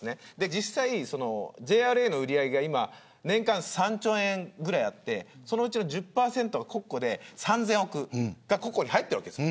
実際ＪＲＡの売り上げが年間３兆円ぐらいあってそのうちの１０％が国庫で３０００億国庫に入っているわけです。